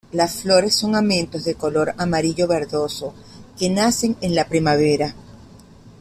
Las flores son amentos de color amarillo verdoso, que nacen en la primavera.